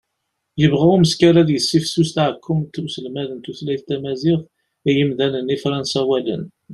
yebɣa umeskar ad yessifsus taɛekkumt n uselmed n tutlayt tamaziɣt i yimdanen ifransawalen